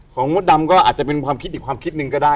มดดำก็อาจจะเป็นความคิดอีกความคิดหนึ่งก็ได้